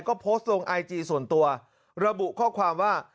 ก็โพสต์ลงไอจีส่วนตัวระบุข้อความว่า